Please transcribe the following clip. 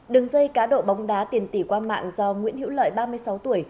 đường dây cá độ bóng đá tiền tỷ qua mạng do nguyễn hữu lợi ba mươi sáu tuổi